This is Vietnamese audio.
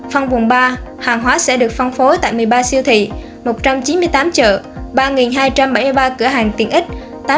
phân vùng ba hàng hóa sẽ được phân phối tại một mươi ba siêu thị một trăm chín mươi tám chợ ba hai trăm bảy mươi ba cửa hàng tiện ích